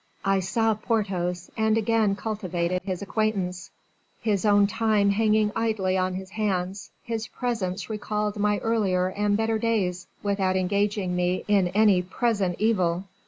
"I saw Porthos and again cultivated his acquaintance; his own time hanging idly on his hands, his presence recalled my earlier and better days without engaging me in any present evil.